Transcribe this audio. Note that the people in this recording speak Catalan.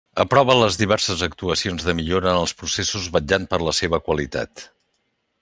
Aprova les diverses actuacions de millora en els processos vetllant per la seva qualitat.